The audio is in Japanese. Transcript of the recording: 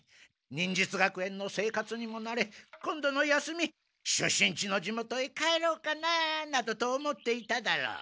忍術学園の生活にもなれ今度の休み出身地の地元へ帰ろうかななどと思っていただろう？